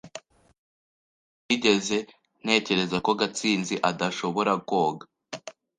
Ntabwo nigeze ntekereza ko Gatsinzi adashobora koga.